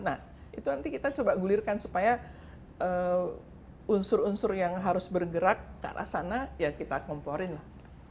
nah itu nanti kita coba gulirkan supaya unsur unsur yang harus bergerak ke arah sana ya kita komporin lah